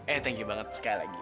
eh thank you banget sekali lagi